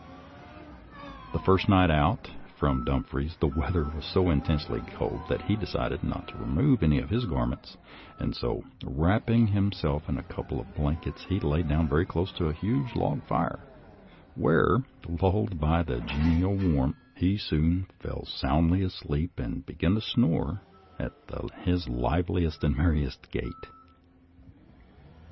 The first night out from Dumfries the weather was so intensely cold that he decided not to remove any of his garments, and so, wrapping himself in a couple of blankets, he laid down very close to a huge log fire, where, lulled by the genial warmth, he soon fell soundly asleep and began to snore at his liveliest and merriest gait.